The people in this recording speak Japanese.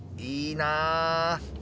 いいなぁ！